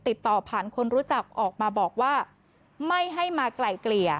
ติดต่อผ่านคนรู้จักออกมาบอกว่าไม่ให้มาไกลเกลี่ย